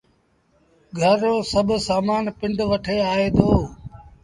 گھر رو سڀ سامآݩ پنڊ وٺي آئي دو